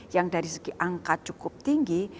yang dari segi angka cukup tinggi